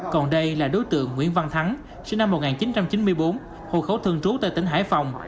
còn đây là đối tượng nguyễn văn thắng sinh năm một nghìn chín trăm chín mươi bốn hộ khẩu thường trú tại tỉnh hải phòng